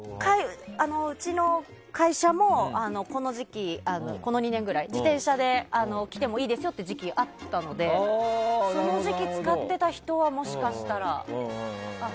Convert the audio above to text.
うちの会社もこの時期この２年ぐらい自転車で来てもいいですよって時期あったのでその時期、使ってた人はもしかしたら。